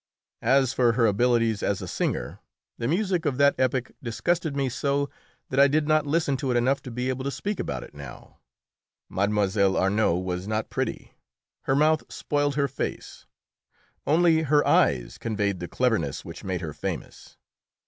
As for her abilities as a singer, the music of that epoch disgusted me so that I did not listen to it enough to be able to speak about it now. Mlle. Arnould was not pretty; her mouth spoiled her face; only her eyes conveyed the cleverness which made her famous.